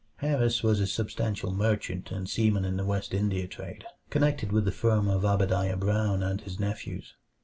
Harris was a substantial merchant and seaman in the West India trade, connected with the firm of Obadiah Brown and his nephews.